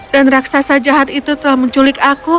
dan raksasa jahat itu telah menculik aku